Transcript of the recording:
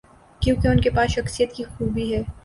کیونکہ ان کے پاس شخصیت کی خوبی ہے۔